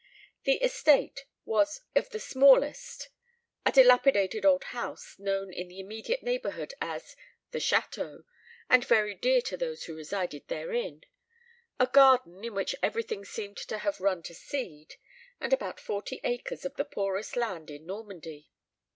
The estate was of the smallest; a dilapidated old house, known in the immediate neighbourhood as "the Château," and very dear to those who resided therein; a garden, in which everything seemed to have run to seed; and about forty acres of the poorest land in Normandy.